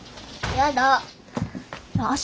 やだ。